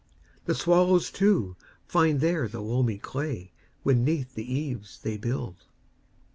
The swallows, too, find there the loamy clayWhen 'neath the eaves they build.